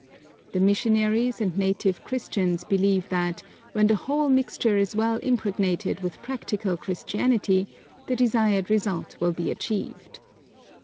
The missionaries and native Christians believe that, when the whole mixture is well impregnated with practical Christianity, the desired result will be achieved.